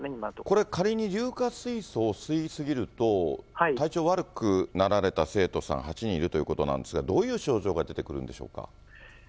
これ、仮に硫化水素を吸い過ぎると、体調悪くなられた生徒さん、８人いるということなんですが、どういう症状が出てくるんでしょうか。